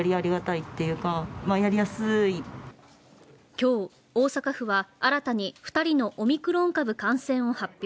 今日、大阪府は新たに２人のオミクロン株感染を発表。